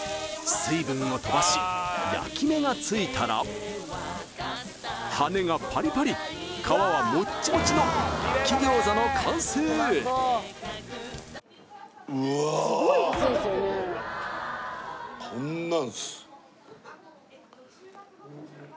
水分を飛ばし焼き目がついたら羽根がパリパリ皮はモッチモチの焼餃子の完成うわこんなんっす